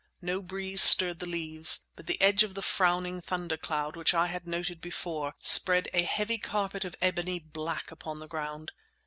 No breeze stirred the leaves, but the edge of the frowning thunder cloud which I had noted before spread a heavy carpet of ebony black upon the ground.